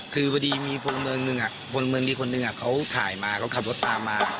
คือพอดีมีคนเมืองนึงอ่ะคนเมืองนี้คนนึงอ่ะเขาถ่ายมาเขากลับรถตามมา